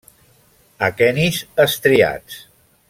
Aquenis estriats.